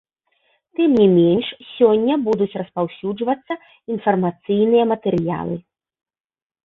Тым не менш сёння будуць распаўсюджвацца інфармацыйныя матэрыялы.